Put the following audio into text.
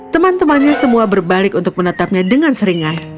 teman temannya semua berbalik untuk menetapnya dengan seringai